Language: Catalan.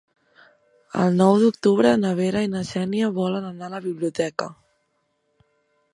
El nou d'octubre na Vera i na Xènia volen anar a la biblioteca.